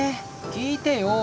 聞いてよ。